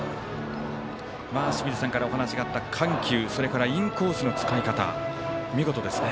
清水さんからお話があった緩急それからインコースの使い方見事ですね。